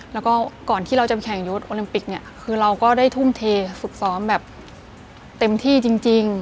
แล้วก็ก่อนที่เราจะแข่งยศโอลิมปิกเนี่ยคือเราก็ได้ทุ่มเทฝึกซ้อมแบบเต็มที่จริง